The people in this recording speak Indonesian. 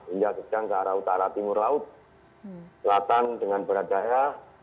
hingga ke arah utara timur laut selatan dengan berat daya